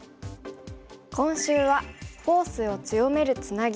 今週は「フォースを強めるツナギ」。